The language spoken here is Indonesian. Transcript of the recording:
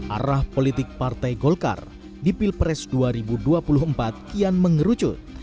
arah politik partai golkar di pilpres dua ribu dua puluh empat kian mengerucut